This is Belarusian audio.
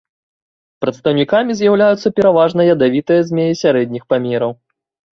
Прадстаўнікамі з'яўляюцца пераважна ядавітыя змеі сярэдніх памераў.